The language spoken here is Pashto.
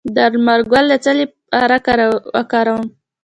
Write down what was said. د لمر ګل د څه لپاره وکاروم؟